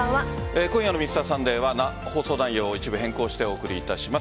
今夜の「Ｍｒ．サンデー」は放送内容を一部変更してお送りいたします。